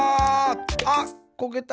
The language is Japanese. あっこけた。